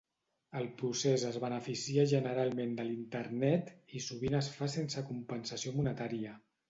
El procés es beneficia generalment de l'Internet i sovint es fa sense compensació monetària.